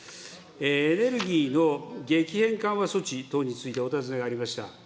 エネルギーの激変緩和措置等についてお尋ねがありました。